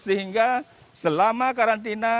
sehingga selama karantina